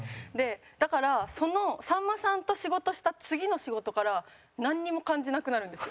だからそのさんまさんと仕事した次の仕事からなんにも感じなくなるんですよ。